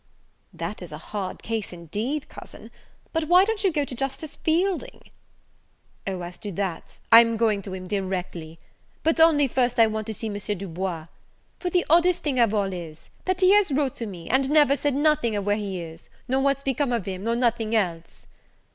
"This is a hard case, indeed, cousin. But why don't you go to Justice Fielding?" "O as to that, I'm a going to him directly; but only I want first to see M. Du Bois; for the oddest thing of all is, that he has wrote to me, and never said nothing of where he is, nor what's become of him, nor nothing else."